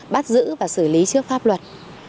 bắt giữ và xử lý trước pháp luật